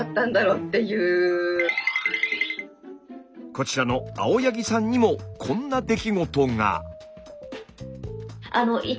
こちらの青柳さんにもこんな出来事が。